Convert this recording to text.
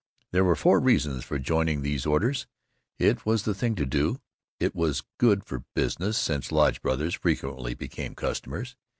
There were four reasons for joining these orders: It was the thing to do. It was good for business, since lodge brothers frequently became customers.